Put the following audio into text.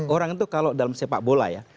orang itu kalau dalam sepak bola ya